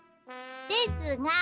ですが